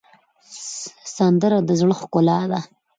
سندره د زړه ښکلا ده